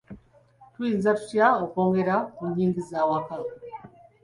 Tuyinza tutya okwongera ku nnyingiza y'awaka?